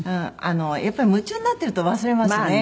やっぱり夢中になってると忘れますね